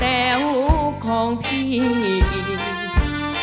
เป็นใจเถิดตุแห่งแด่วของคิด